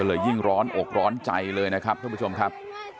ยิ่งร้อนอกร้อนใจเลยนะครับท่านผู้ชมครับ